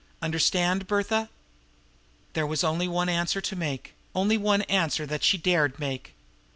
Understand, Bertha'?" There was only one answer to make, only one answer that she dared make.